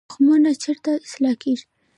تخمونه چیرته اصلاح کیږي؟